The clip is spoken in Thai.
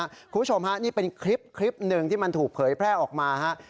คุณผู้ชมฮะนี่เป็นคลิปหนึ่งที่มันถูกเผยแพร่ออกมาฮะ